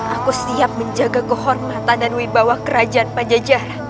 aku siap menjaga kehormatan dan wibawa kerajaan pajajar